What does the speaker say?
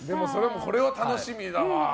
これは楽しみだな。